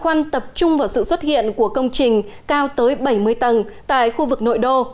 đồ án quy hoạch tập trung vào sự xuất hiện của công trình cao tới bảy mươi tầng tại khu vực nội đô